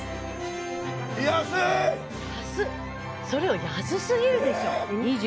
それは安すぎるでしょ。